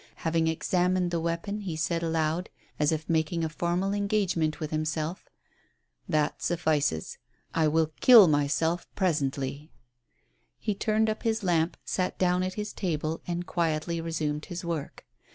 Having examined the weapon, he said aloud, as if making a formal engagement with himself: "That suffices; I will kill myself presently I" He turned up his lamp, sat down at his table, and quietly resumed his work.